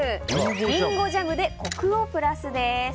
リンゴジャムでコクをプラスです。